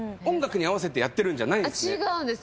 違うんです